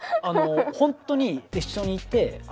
本当に一緒にいてあっ